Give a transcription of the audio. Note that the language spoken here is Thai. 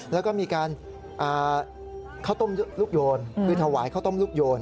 แล้วก็มีการข้าวต้มลูกโยนคือถวายข้าวต้มลูกโยน